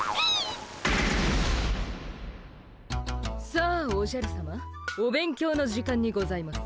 さあおじゃるさまお勉強の時間にございます。